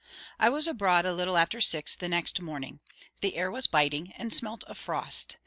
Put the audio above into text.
I was abroad a little after six the next morning. The air was biting, and smelt of frost.